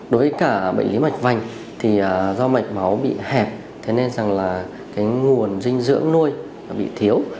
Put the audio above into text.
đối với cả bệnh lý mạch vành thì do mạch máu bị hẹp thế nên rằng là cái nguồn dinh dưỡng nuôi bị thiếu